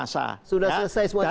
sudah selesai semuanya itu